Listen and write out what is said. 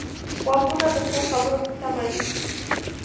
غوږونه د ښو خبرو په تمه وي